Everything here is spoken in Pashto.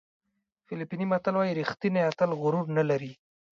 فلپیني متل وایي ریښتینی اتل غرور نه لري.